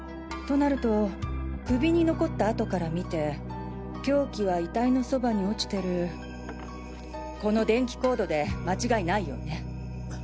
となると首に残った痕から見て凶器は遺体のそばに落ちてるこの電気コードで間違いないようね。